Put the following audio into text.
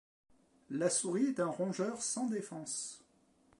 La souris est un rongeur sans défense